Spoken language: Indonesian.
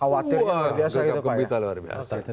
wah gagap gembita luar biasa